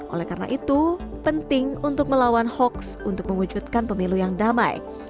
oleh karena itu penting untuk melawan hoaks untuk mewujudkan pemilu yang damai